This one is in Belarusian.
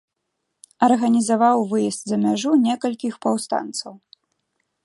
Арганізаваў выезд за мяжу некалькіх паўстанцаў.